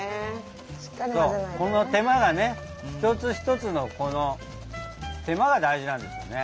この手間がねひとつひとつのこの手間が大事なんですよね。